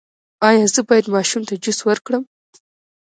ایا زه باید ماشوم ته جوس ورکړم؟